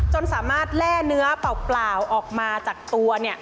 จนสามารถแร่เนื้อเปล่าออกมาจากตัว